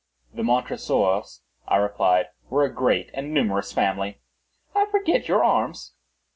"The Montresors," I replied, "were a great and numerous family." "I forget your arms."